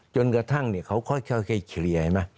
จนกระทั่งเขาค่อยเขียน